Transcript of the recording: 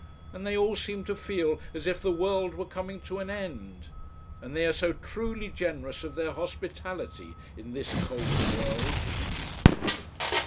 And they all seem to feel as if the world were coming to an end. And they are so truly generous of their hospitality, in this cold world.